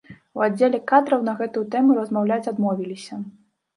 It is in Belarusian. У аддзеле кадраў на гэтую тэму размаўляць адмовіліся.